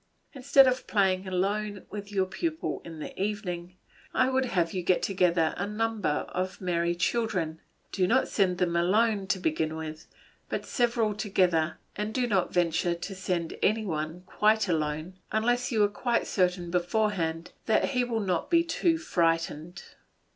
Instead of playing alone with your pupil in the evening, I would have you get together a number of merry children; do not send them alone to begin with, but several together, and do not venture to send any one quite alone, until you are quite certain beforehand that he will not be too frightened.